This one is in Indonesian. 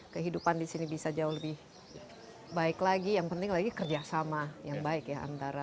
kehidupan di sini bisa jauh lebih baik lagi yang penting lagi kerjasama yang baik ya antara